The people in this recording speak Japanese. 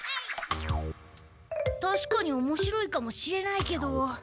たしかにおもしろいかもしれないけど。